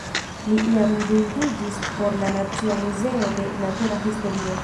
Li iam dungiĝis por la Nacia Muzeo de Natura Historio.